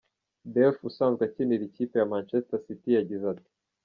Delph, usanzwe akinira ikipe ya Manchester City, yagize ati:.